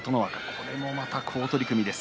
これも好取組です。